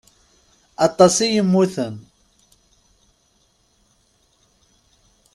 Aṭas i yemmuten.